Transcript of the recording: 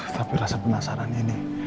tapi rasa penasaran ini